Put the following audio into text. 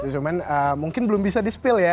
cuman mungkin belum bisa di spill ya